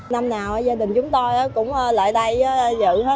năm nào gia đình chúng tôi cũng lại đây dự hết